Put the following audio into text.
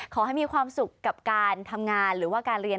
ขอให้มีความสุขกับการทำงานหรือว่าการเรียน